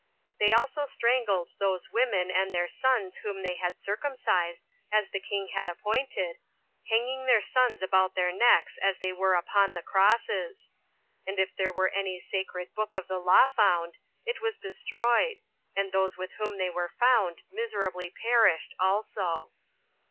They also strangled those women and their sons whom they had circumcised, as the king had appointed, hanging their sons about their necks as they were upon the crosses. And if there were any sacred book of the law found, it was destroyed, and those with whom they were found miserably perished also.